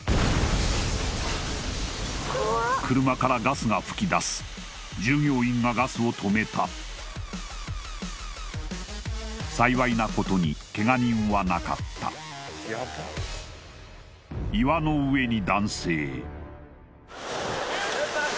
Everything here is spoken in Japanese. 車からガスが噴き出す従業員がガスを止めた幸いなことにケガ人はなかった岩の上に男性